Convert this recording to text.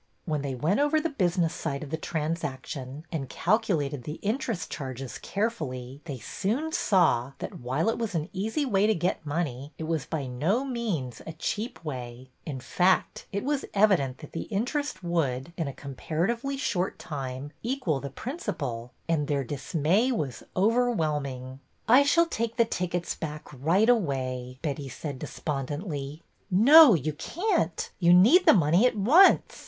When they went over the business side of the transaction, and calculated the interest charges carefully, they soon saw that, while it was an easy way to get money, it was by no means a cheap way. In fact, it was evident that the in terest would, in a comparatively short time, equal the principal, and their dismay was overwhelming. 12 178 BETTY BAIRD'S VENTURES I shall take the tickets back right away," Betty said despondently. '' No, you can't. You need the money at once.